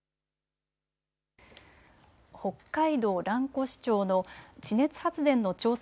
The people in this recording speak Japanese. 北海道蘭越町の地熱発電の調査